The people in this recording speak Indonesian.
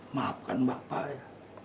maafkan bapak ya